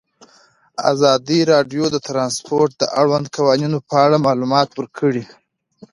ازادي راډیو د ترانسپورټ د اړونده قوانینو په اړه معلومات ورکړي.